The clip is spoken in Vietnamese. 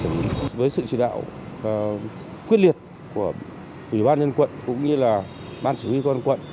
với sự chỉ đạo quyết liệt của ủy ban nhân quận cũng như là ban chủ yếu con quận